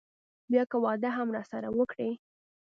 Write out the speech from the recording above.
بيا که واده هم راسره وکړي.